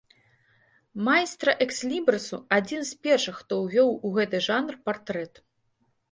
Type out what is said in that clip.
Майстра экслібрысу, адзін з першых, хто ўвёў у гэты жанр партрэт.